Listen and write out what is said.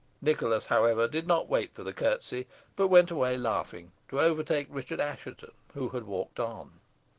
Nicholas, however, did not wait for the curtsy, but went away, laughing, to overtake Richard Assheton, who had walked on.